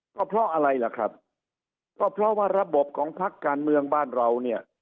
ก็เพราะอะไรล่ะครับก็เพราะว่าระบบของพักการเมืองบ้านเราเนี่ย